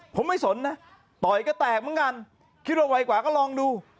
ผมไม่สนนะต่อยก็แตกเหมือนกันคิดว่าไวกว่าก็ลองดู